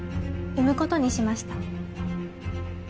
産むことにしました。